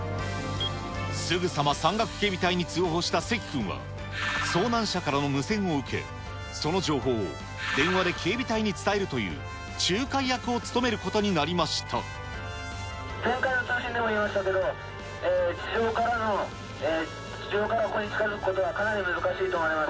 すぐさま山岳警備隊に通報した関君は、遭難者からの無線を受け、その情報を電話で警備隊に伝えるという仲介役を務めることになり前回の通信でも言いましたけど、地上からここに近づくことはかなり難しいと思います。